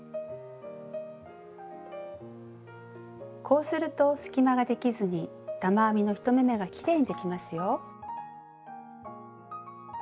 こうすると隙間ができずに玉編みの１目めがきれいにできますよ。